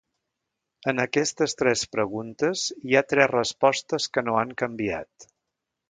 En aquestes tres preguntes hi ha tres respostes que no han canviat.